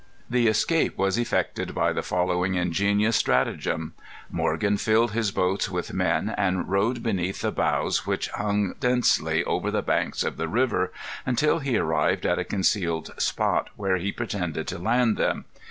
The escape was effected by the following ingenious stratagem. Morgan filled his boats with men, and rowed beneath the boughs which hung densely over the banks of the river, until he arrived at a concealed spot, where he pretended to land them.